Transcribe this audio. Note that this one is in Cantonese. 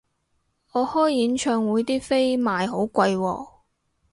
我開演唱會啲飛賣好貴喎